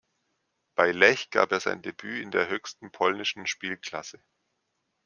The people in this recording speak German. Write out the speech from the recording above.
Bei Lech gab er sein Debüt in der höchsten polnischen Spielklasse.